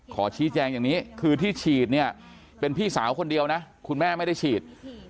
ขอชี้แจงอย่างนี้คือที่ฉีดเนี่ยเป็นพี่สาวคนเดียวนะคุณแม่ไม่ได้ฉีด